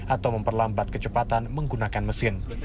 atau memperlambat kecepatan menggunakan mesin